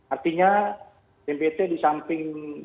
artinya bnpt di samping